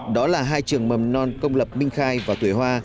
đó là hai trường mầm non công lập minh khai và thủy hoa